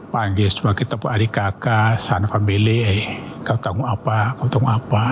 pange kita pun adik kakak sanfamile kau tahu apa kau tahu apa